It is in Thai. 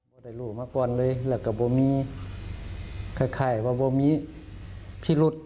ได้รู้มาก่อนเลยแล้วก็บ่มีคล้ายว่าบ่มีพิรุษ